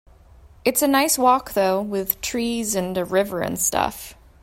It's a nice walk though, with trees and a river and stuff.